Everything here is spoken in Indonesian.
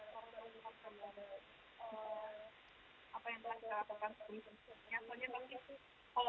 saya kalau pandemi ini nggak tahu